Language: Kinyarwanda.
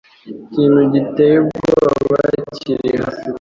Ikintu giteye ubwoba kiri hafi kuba.